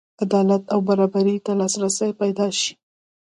عدالت او برابرۍ ته لاسرسی پیدا شي.